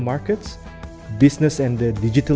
bisnis dan ekonomi digital